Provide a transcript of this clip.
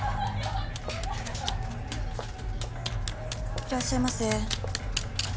いらっしゃいませ。